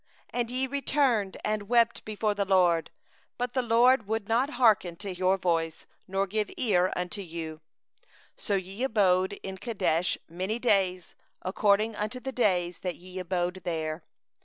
45And ye returned and wept before the LORD; but the LORD hearkened not to your voice, nor gave ear unto you. 46So ye abode in Kadesh many days, according unto the days that ye abode there.